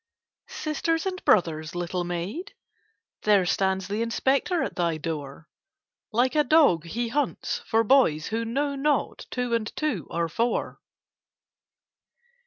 "Sisters and brothers, little Maid? There stands the Inspector at thy door: Like a dog, he hunts for boys who know not two and two are four."